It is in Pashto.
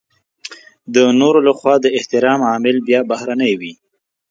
د نورو لخوا د احترام عامل بيا بهرنی وي.